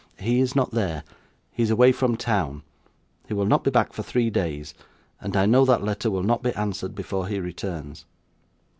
'He is not there. He is away from town. He will not be back for three days; and I know that letter will not be answered before he returns.